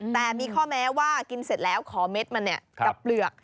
แต่มีข้อแม้ว่ากินเสร็จแล้วขอเม็ดมันกับเปลือก